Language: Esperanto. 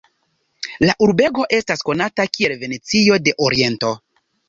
La urbego estas konata kiel Venecio de Oriento.